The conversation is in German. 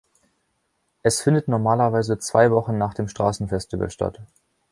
Es findet normalerweise zwei Wochen nach dem Straßenfestival statt.